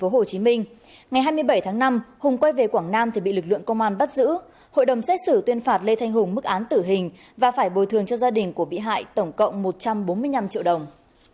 hùng quay về quảng nam thì bị lực lượng công an bắt giữ hội đồng xét xử tuyên phạt lê thanh hùng mức án tử hình và phải bồi thường cho gia đình của bị hại tổng cộng một trăm bốn mươi năm triệu đồng